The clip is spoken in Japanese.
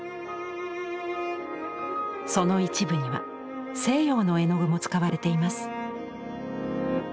その一部には西洋の絵の具も使われています。